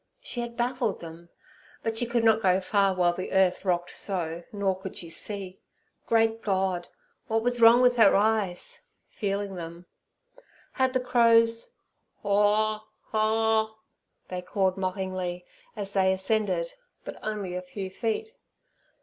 She had baffled them, but she could not go far while the earth rocked so, nor could she see. Great God! what was wrong with her eyes?—feeling them. Had the crows—'Haw, haw!' they cawed mockingly, as they ascended, but only a few feet.